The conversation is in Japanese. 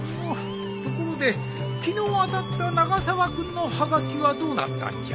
ところで昨日当たった永沢君のはがきはどうなったんじゃ？